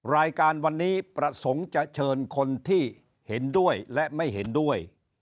รายการวันนี้ประสงค์จะเชิญคนที่เห็นด้วยและไม่เห็นด้วย